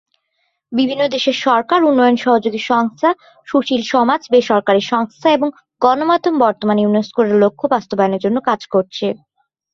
বিভিন্ন দেশের সরকার, উন্নয়ন সহযোগী সংস্থা, সুশীল সমাজ, বে-সরকারী সংস্থা এবং গণমাধ্যম বর্তমানে ইউনেস্কোর এ লক্ষ্য বাস্তবায়নের জন্য কাজ করছে।